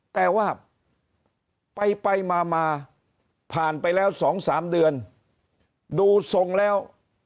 แต่ว่าไปไปมามาผ่านไปแล้ว๒๓เดือนดูทรงแล้ว